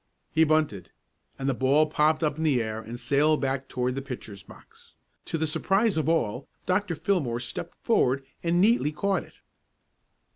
He "bunted," and the ball popped up in the air and sailed back toward the pitcher's box. To the surprise of all, Dr. Fillmore stepped forward and neatly caught it.